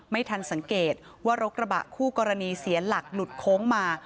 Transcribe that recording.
ไม่ทันสังเกตว่ารถกระบะคู่กรณีเสียหลักหลุดโค้งมา